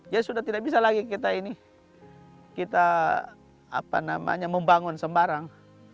jadi sudah tidak bisa lagi kita ini kita apa namanya membangun sembarang